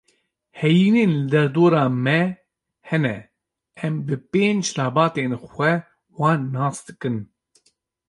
Heyînên li derdora me hene, em bi pênc lebatên xwe wan nas dikin.